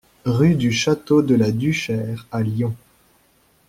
Rue du Château de la Duchère à Lyon